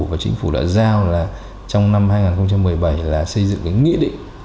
và chính phủ đã giao là trong năm hai nghìn một mươi bảy là xây dựng cái nghị định